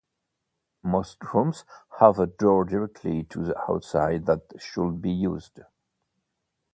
most rooms have a door directly to the outside that should be used.